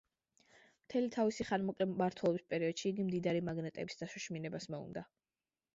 მთელი თავისი ხანმოკლე მმართველობის პერიოდში იგი მდიდარი მაგნატების დაშოშმინებას მოუნდა.